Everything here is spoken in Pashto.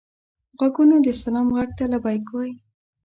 غوږونه د سلام غږ ته لبیک وايي